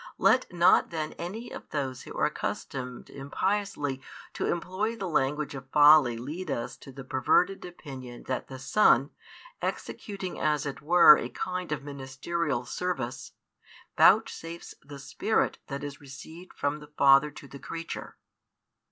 Let not then any of those who are accustomed impiously to employ the language of folly lead us to the perverted opinion that the Son, executing as it were a kind of ministerial service, vouchsafes the Spirit that is received from the Father to the creature.